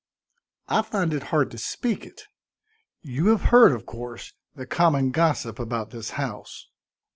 "I find it hard to speak it; you have heard, of course, the common gossip about this house."